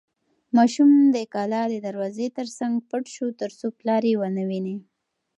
ماشوم د کلا د دروازې تر څنګ پټ شو ترڅو پلار یې ونه ویني.